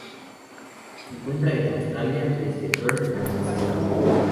Se encuentra en Australia: desde Perth hasta Sídney.